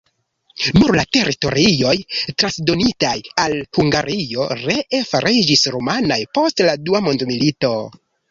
Nur la teritorioj transdonitaj al Hungario ree fariĝis rumanaj post la dua mondmilito.